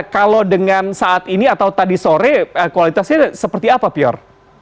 kalau dengan saat ini atau tadi sore kualitasnya seperti apa pior